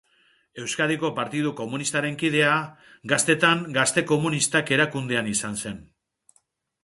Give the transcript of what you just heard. Euskadiko Partidu Komunistaren kidea, gaztetan Gazte Komunistak erakundean izan zen.